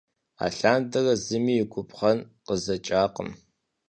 Алъандэрэ зыми и губгъэн къызэкӀакъым.